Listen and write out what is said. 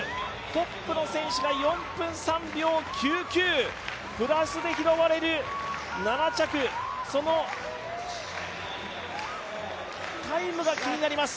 トップの選手が４分３秒９９、プラスで拾われる７着、そのタイムが気になります。